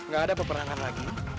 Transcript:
gak ada peperangan lagi